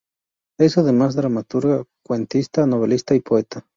Es, además dramaturga, cuentista, novelista y poeta.